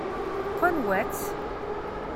N wanwa-tt?